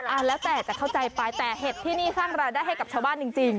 เอาแล้วแต่จะเข้าใจไปแต่เห็ดที่นี่สร้างรายได้ให้กับชาวบ้านจริง